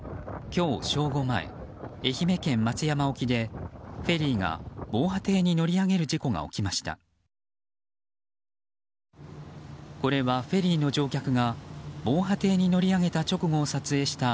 今日正午前、愛媛県松山沖でフェリーが防波堤に乗り上げる事故が起きました。